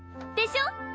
でしょ！